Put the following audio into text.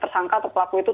tersangka atau pelaku itu